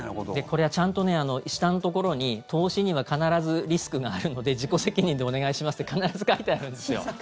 これはちゃんと下のところに投資には必ずリスクがあるので自己責任でお願いしますって必ず書いてあるんですよ。